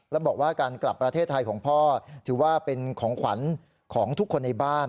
แล้วบอกว่าการกลับประเทศไทยของพ่อถือว่าเป็นของขวัญของทุกคนในบ้าน